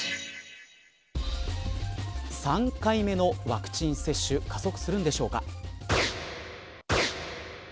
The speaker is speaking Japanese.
３回目のワクチン接種加速するんでしょうか。